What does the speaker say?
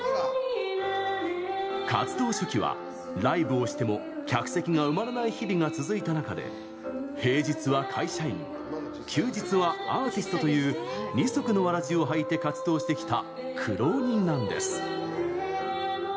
活動初期はライブをしても客席が埋まらない日々が続いた中で平日は会社員休日はアーティストという二足のわらじを履いて活動してきた苦労人なんです。